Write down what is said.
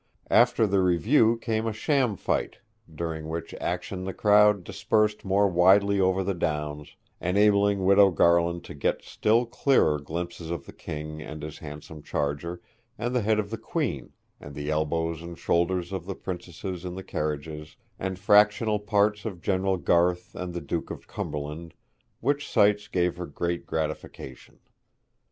After the review came a sham fight, during which action the crowd dispersed more widely over the downs, enabling Widow Garland to get still clearer glimpses of the King, and his handsome charger, and the head of the Queen, and the elbows and shoulders of the princesses in the carriages, and fractional parts of General Garth and the Duke of Cumberland; which sights gave her great gratification.